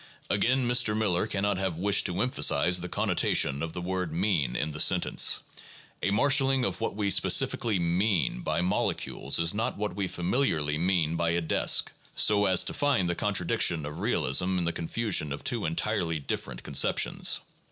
Again, Mr. Miller cannot have wished to emphasize the connotation of the word 'mean' in the sentence, "A marshalling of what we scientifically mean by molecules is not what we familiarly mean by a desk," so as to find the contradiction of realism in the con fusion of two entirely different conceptions.